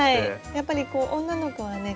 やっぱり女の子はね